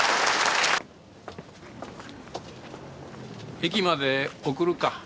駅まで送るか？